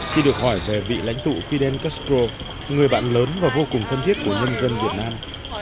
khi được hỏi về vị lãnh tụ fidel castro người bạn lớn và vô cùng thân thiết của nhân dân việt nam